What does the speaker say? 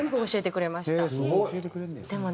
でもね